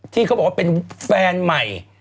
ที่เขาบอกว่าเป็นแฟนใหม่